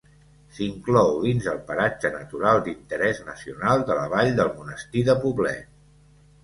S'inclou dins el paratge natural d'interès nacional de la Vall del Monestir de Poblet.